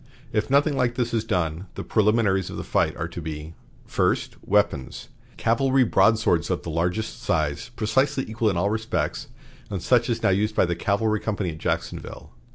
If nothing like this is done, the preliminaries of the fight are to be: "First. Weapons: Cavalry broadswords of the largest size, precisely equal in all respects, and such as now used by the cavalry company at Jacksonville.